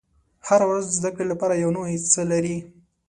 • هره ورځ د زده کړې لپاره یو نوی څه لري.